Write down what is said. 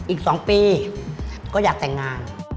อีก๒ปีก็อยากแต่งงาน